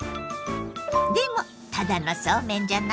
でもただのそうめんじゃないわ！